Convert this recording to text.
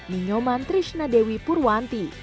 minyoman trishna dewi purwanti